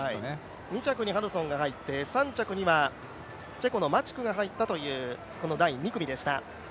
２着にハドソンが入って、３着にはチェコのマチクが入ったという、この第２組でした。